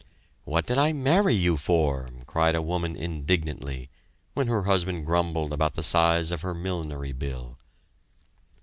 "What did I marry you for?" cried a woman indignantly, when her husband grumbled about the size of her millinery bill.